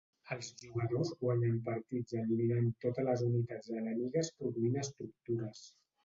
Els jugadors guanyen partits eliminant totes les unitats enemigues produint estructures.